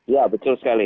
ya betul sekali